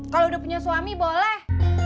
kalau udah punya suami boleh